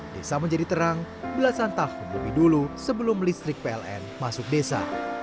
desa menjadi terang belasan tahun lebih dulu sebelum listrik pln masuk desa